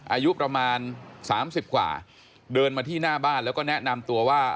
อายุประมาณ๓๐กว่าเดินมาที่หน้าบ้านแล้วก็แนะนำตัวว่า